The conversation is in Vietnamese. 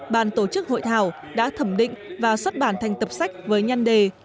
bàn tổ chức hội thảo đã thẩm định và xuất bản thành tập sách với nhân đề